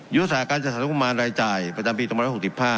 ยุทธศาสตร์การจัดสรรงบประมาณรายจ่ายประจำปี๒๖๕